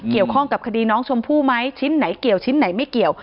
เกี่ยวข้องกับคดีน้องชมพู่ไหมชิ้นไหนเกี่ยวชิ้นไหนไม่เกี่ยว